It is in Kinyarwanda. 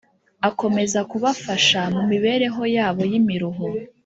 akomeza kubafasha mu mibereho yabo y’imiruho